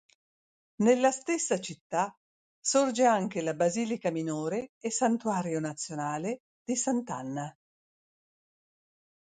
Nella stessa città sorge anche la basilica minore e santuario nazionale di Sant'Anna.